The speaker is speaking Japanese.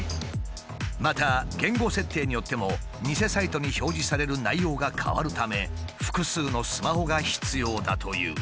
また言語設定によっても偽サイトに表示される内容が変わるため複数のスマホが必要だという。